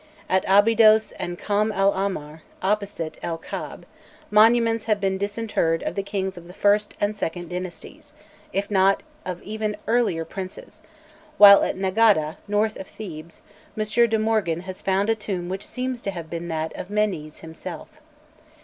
At Abydos and Kom el Ahmar, opposite El Kab, monuments have been disinterred of the kings of the first and second dynasties, if not of even earlier princes; while at Negada, north of Thebes, M. de Morgan has found a tomb which seems to have been that of Menés himself.